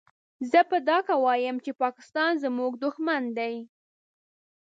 زه په ډاګه وايم چې پاکستان زموږ دوښمن دی.